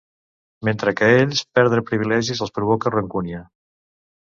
Mentre que a ells, perdre privilegis els provoca rancúnia.